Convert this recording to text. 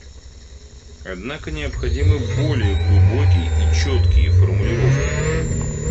Однако необходимы более глубокие и четкие формулировки.